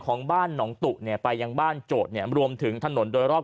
ของบ้านหนองตุ๊กไปยังบ้านโจดรวมถึงถนนโดยรอบ